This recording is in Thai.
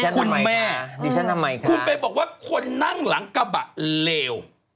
คุณแม่คุณไปบอกว่าคนนั่งหลังกระบะเลว